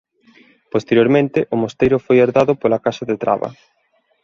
Posteriormente o mosteiro foi herdado pola Casa de Traba.